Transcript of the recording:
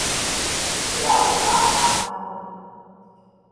Leó pápától.